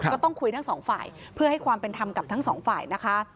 ก็ต้องคุยทั้งสองฝ่ายเพื่อให้ความเป็นธรรมกับทั้งสองฝ่ายนะคะ